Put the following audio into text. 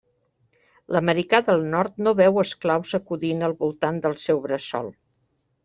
L'americà del Nord no veu esclaus acudint al voltant del seu bressol.